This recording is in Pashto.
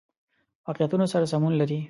واقعیتونو سره سمون لري.